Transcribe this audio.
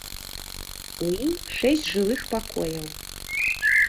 У ім шэсць жылых пакояў.